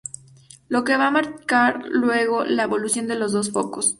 Lo que va a marcar luego la evolución de los dos focos.